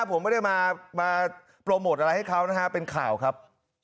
ผมไม่ได้มาโปรโมทอะไรให้เขานะฮะเป็นข่าวครับ